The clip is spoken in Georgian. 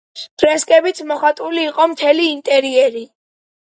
ფრესკებით მოხატული იყო მთელი ინტერიერი.